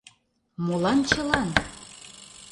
— Молан чылан?